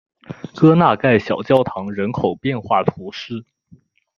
戈纳盖小教堂人口变化图示